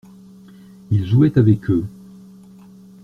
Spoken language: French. Il jouait avec eux.